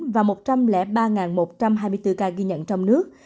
và một trăm linh ba một trăm hai mươi bốn ca ghi nhận trong nước